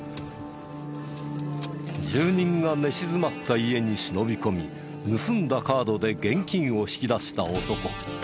住人が寝静まった家に忍び込み盗んだカードで現金を引き出した男。